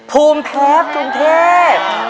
ภูมิแพ้กรุงเทพ